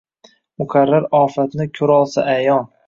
Muqarrar ofatni ko’rolsa ayon…”